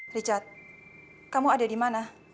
richard kamu ada di mana